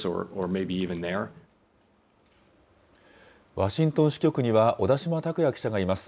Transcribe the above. ワシントン支局には、小田島拓也記者がいます。